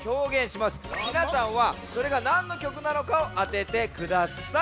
みなさんはそれがなんのきょくなのかをあててください。